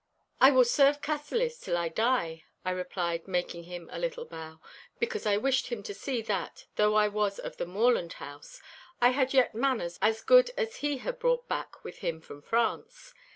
'I will serve Cassillis till I die,' I replied, making him a little bow—because I wished him to see that, though I was of the moorland house, I had yet manners as good as he had brought back with him from France.